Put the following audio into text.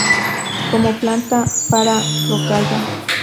Como planta para rocalla.